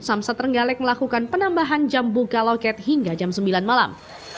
samsat renggalek melakukan penambahan jam buka loket hingga jam sembilan malam